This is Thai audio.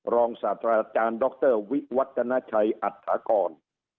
รองศาสตราอาจารย์ดรวิวัฒนาชัยอัตถากร